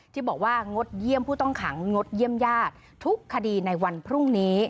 ที่บอกว่างดเยี่ยมผู้ต้องขังงดเยี่ยมญาติทุกคดีในวันพรุ่งนี้